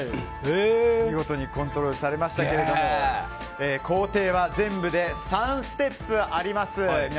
見事にコントロールされましたが工程は全部で３ステップあります。